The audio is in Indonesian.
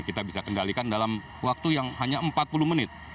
kita bisa kendalikan dalam waktu yang hanya empat puluh menit